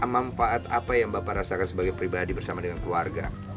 manfaat apa yang bapak rasakan sebagai pribadi bersama dengan keluarga